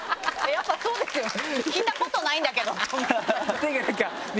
やっぱそうですよね？